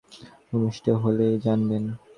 ভূমিষ্ঠ হলেই জানবেন।